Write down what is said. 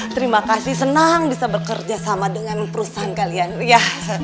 terima kasih senang bisa bekerja sama dengan perusahaan kalian